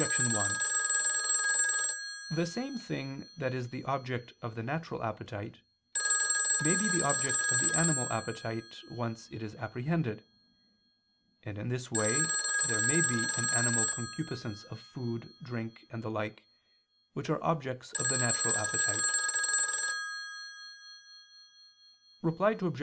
1: The same thing that is the object of the natural appetite, may be the object of the animal appetite, once it is apprehended. And in this way there may be an animal concupiscence of food, drink, and the like, which are objects of the natural appetite. Reply Obj.